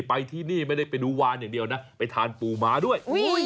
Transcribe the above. ไปที่นี่ไม่ได้ไปดูวานอย่างเดียวนะไปทานปูม้าด้วย